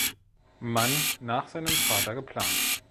Mann nach seinem Vater geplant.